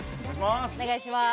お願いします。